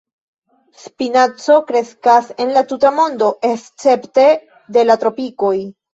Spinaco kreskas en la tuta mondo escepte de la tropikoj.